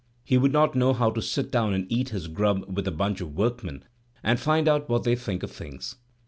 He would not know how to sit down and eat his grub with a bunch of workmen and find out what they think of things.